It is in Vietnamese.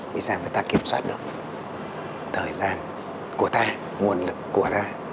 vậy sao người ta kiểm soát được thời gian của ta nguồn lực của ta